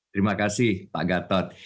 terima kasih pak gatot